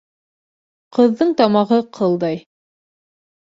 Ҡыҙҙың тамағы ҡылдай.